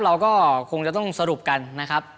เราก็คงจะต้องสรุปกันนะครับ